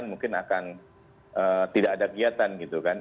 kemudian kembaran mungkin akan tidak ada kegiatan gitu kan